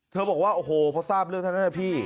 บอกว่าโอ้โหพอทราบเรื่องเท่านั้นนะพี่